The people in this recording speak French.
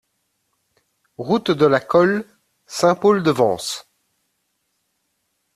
Route de la Colle, Saint-Paul-de-Vence